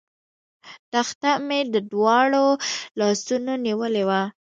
تخته مې په دواړو لاسونو نیولې وه.